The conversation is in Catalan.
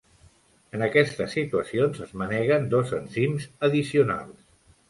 En aquestes situacions es manegen dos enzims addicionals.